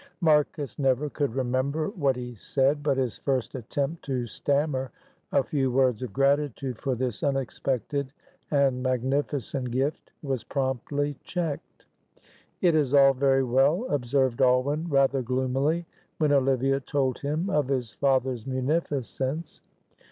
Marcus never could remember what he said, but his first attempt to stammer a few words of gratitude for this unexpected and magnificent gift was promptly checked. "It is all very well," observed Alwyn rather gloomily when Olivia told him of his father's munificence.